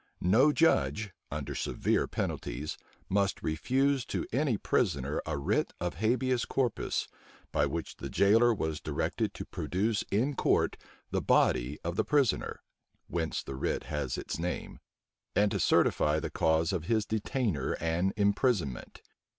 No judge, under severe penalties, must refuse to any prisoner a writ of habeas corpus, by which the jailer was directed to produce in court the body of the prisoner, (whence the writ has its name,) and to certify the cause of his detainer and imprisonment.